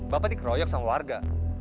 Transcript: bapak dikeroyok sama warga